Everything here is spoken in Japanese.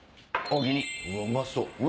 うまそう。